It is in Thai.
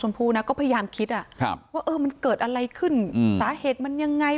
พูนะก็พยายามคิดว่าเออมันเกิดอะไรขึ้นสาเหตุมันยังไง